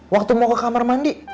waktu mau ke kamar mandi